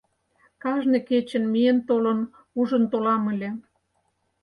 Кажне кечын миен-толын ужын толам ыле